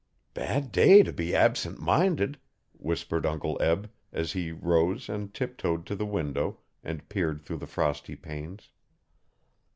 'Bad day t' be absent minded,' whispered Uncle Eb, as he rose and tiptoed to the window and peered through the frosty panes.